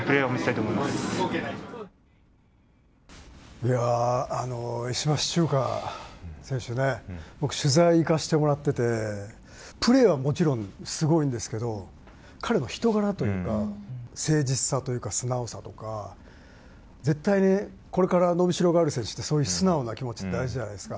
いや、石橋チューカ選手ね、僕、取材に行かせてもらってて、プレーはもちろんすごいんですけど、彼の人柄というか、誠実さというか、素直さとか、絶対これから伸びしろがある選手って、そういう素直な気持ち、大事じゃないですか。